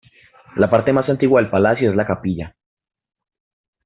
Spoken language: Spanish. La parte más antigua del palacio es la capilla.